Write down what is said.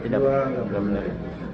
tidak tidak benar